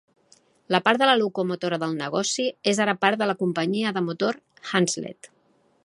La part de la locomotora del negoci és ara part de la companyia de motor Hunslet.